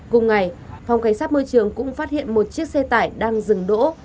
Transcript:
cùng ngày phòng cảnh sát môi trường cũng phát hiện một chiếc xe tải đang dừng đỗ